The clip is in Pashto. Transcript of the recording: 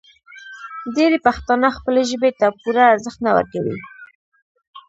ډېری پښتانه خپلې ژبې ته پوره ارزښت نه ورکوي.